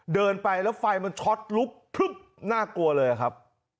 เดินไปแล้วไฟมันช็อตลุกพลึบน่ากลัวเลยครับ